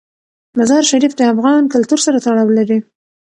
مزارشریف د افغان کلتور سره تړاو لري.